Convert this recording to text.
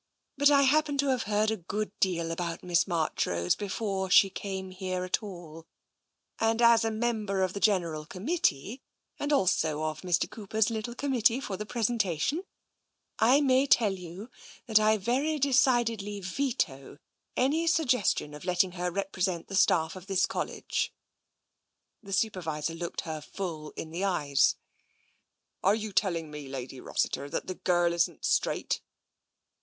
But I happen to have heard a good deal about Miss Marchrose before she came here at all, and as a member of the General Committee, and also of Mr. Cooper's little committee for the pres entation, I may tell you that I very decidedly veto any suggestion of letting her represent the staff of this College.'* The Supervisor looked her full in the eyes. " Are you telling me, Lady Rossiter, that that girl isn't straight?